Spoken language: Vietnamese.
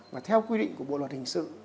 và theo quy định của bộ luật hình sự